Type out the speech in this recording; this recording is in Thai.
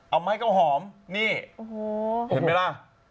เอาไม้ข้าวหอมนี่เห็นไหมล่ะ